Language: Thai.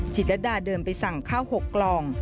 จิตรดาเดินไปสั่งข้าว๖กล่อง